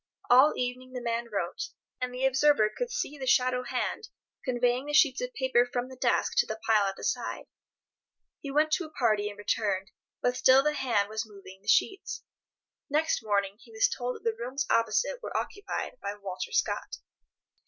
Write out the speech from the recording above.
All evening the man wrote, and the observer could see the shadow hand conveying the sheets of paper from the desk to the pile at the side. He went to a party and returned, but still the hand was moving the sheets. Next morning he was told that the rooms opposite were occupied by Walter Scott.